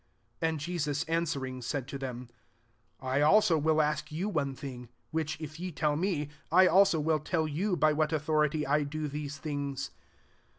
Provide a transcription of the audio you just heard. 24 And Jesus answer ing, ssdd to them, I also will ask you one thing ; which if ye tdl me, I also will tell you by what authority I do these things.